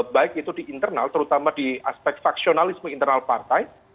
baik itu di internal terutama di aspek faksionalisme internal partai